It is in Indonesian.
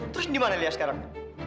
terus gimana lia sekarang